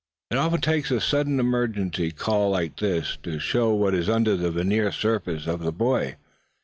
It often takes a sudden emergency call like this to show what is under the veneered surface of a boy.